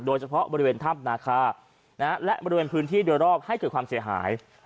โดยเฉพาะบริเวณถ้ำนาคาและบริเวณพื้นที่โดยรอบให้เกิดความเสียหาย